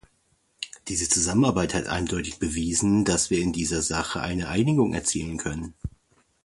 Diese Zusammenarbeit hat eindeutig bewiesen, dass wir in dieser Sache eine Einigung erzielen können.